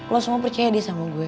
lo semua percaya deh sama gue